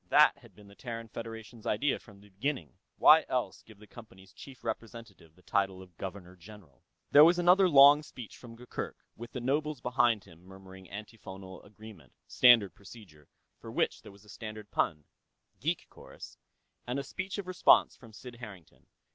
That had been the Terran Federation's idea, from the beginning; why else give the Company's chief representative the title of Governor General? There was another long speech from Gurgurk, with the nobles behind him murmuring antiphonal agreement standard procedure, for which there was a standard pun, geek chorus and a speech of response from Sid Harrington.